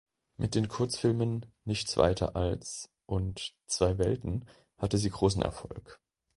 Mit den Kurzfilmen „Nichts weiter als“ und „Zwei Welten“ hatte sie großen Erfolg.